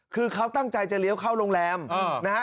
คือเขาตั้งใจจะเลี้ยวเข้าโรงแรมนะฮะ